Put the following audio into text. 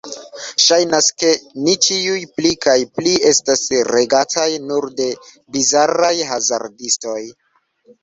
Ŝajnas, ke ni ĉiuj pli kaj pli estas regataj nur de bizaraj hazardistoj.